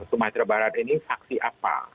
sumatera barat ini saksi apa